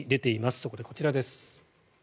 そこでこちらです。